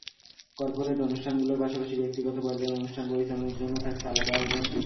Corporate অনুষ্ঠানগুলোর পাশাপাশি ব্যক্তিগত পর্যায়ের অনুষ্ঠান পরিচালনার জন্য থাকছে আলাদা আয়োজন।